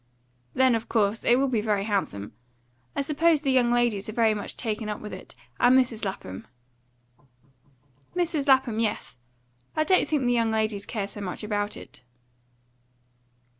"Then, of course, it will be very handsome. I suppose the young ladies are very much taken up with it; and Mrs. Lapham." "Mrs. Lapham, yes. I don't think the young ladies care so much about it."